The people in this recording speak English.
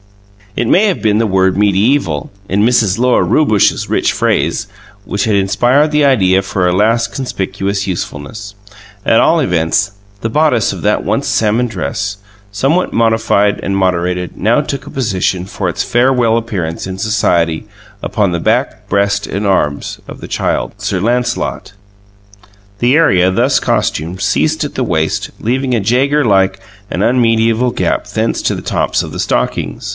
It may have been the word "medieval" (in Mrs. Lora Rewbush's rich phrase) which had inspired the idea for a last conspicuous usefulness; at all events, the bodice of that once salmon dress, somewhat modified and moderated, now took a position, for its farewell appearance in society, upon the back, breast, and arms of the Child Sir Lancelot. The area thus costumed ceased at the waist, leaving a Jaeger like and unmedieval gap thence to the tops of the stockings.